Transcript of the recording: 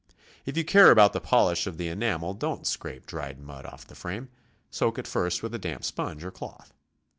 If you care about the polish of the enamel, don't scrape dried mud off the frame; soak it first with a damp sponge or cloth.